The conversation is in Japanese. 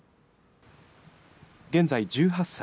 現在１８歳。